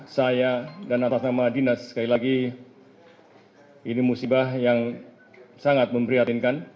saya dan atas nama dinas sekali lagi ini musibah yang sangat memprihatinkan